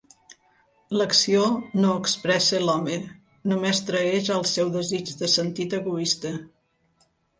L'acció no expressa l'home, només traeix al seu desig de sentit egoista.